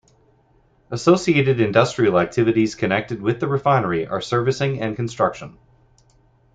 Associated industrial activities connected with the refinery are servicing and construction.